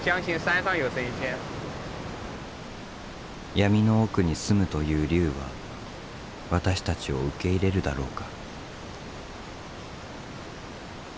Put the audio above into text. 闇の奥に住むという龍は私たちを受け入れるだろうか。